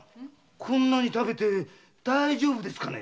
こんなに食べて大丈夫ですかね？